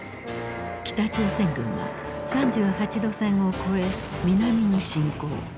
北朝鮮軍は３８度線を越え南に侵攻。